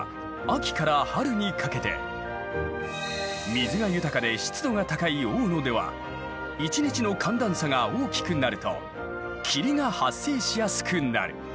水が豊かで湿度が高い大野では一日の寒暖差が大きくなると霧が発生しやすくなる。